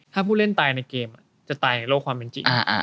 ถ้าผู้เล่นตายในเกมจะตายโลกความเป็นจริง